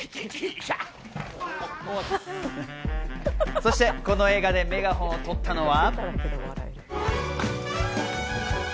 そして、この映画でメガホンを取ったのは。